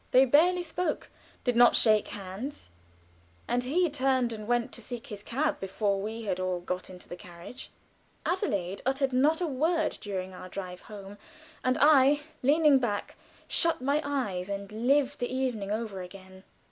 They barely spoke, did not shake hands, and he turned and went to seek his cab before we had all got into the carriage. Adelaide uttered not a word during our drive home, and I, leaning back, shut my eyes and lived the evening over again.